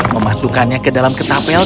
memasukkannya ke dalam ketapel